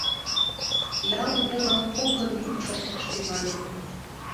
Ял велым оҥгыр йӱк шокташ тӱҥале.